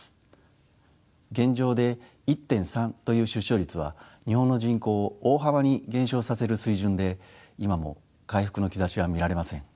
現状で１．３という出生率は日本の人口を大幅に減少させる水準で今も回復の兆しは見られません。